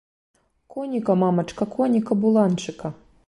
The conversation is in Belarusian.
Коніка, мамачка, коніка, буланчыка.